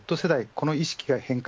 この意識の変化